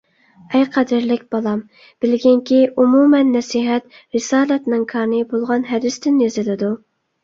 ئەي قەدىرلىك بالام، بىلگىنكى، ئومۇمەن نەسىھەت رىسالەتنىڭ كانى بولغان ھەدىستىن يېزىلىدۇ.